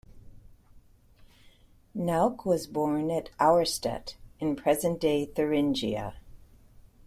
Nauck was born at Auerstedt in present-day Thuringia.